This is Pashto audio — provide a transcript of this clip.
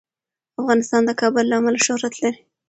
افغانستان د کابل له امله شهرت لري.